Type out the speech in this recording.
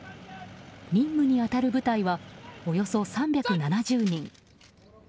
任務に当たる部隊はおよそ３７０人。